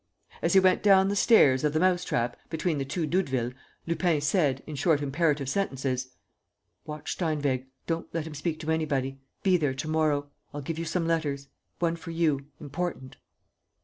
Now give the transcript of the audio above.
As he went down the stairs of the "mouse trap," between the two Doudevilles, Lupin said, in short, imperative sentences: "Watch Steinweg. ... Don't let him speak to anybody. ... Be there to morrow. ... I'll give you some letters ... one for you ... important."